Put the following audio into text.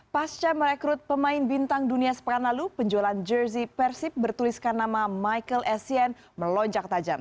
pasca merekrut pemain bintang dunia sepekan lalu penjualan jersey persib bertuliskan nama michael essien melonjak tajam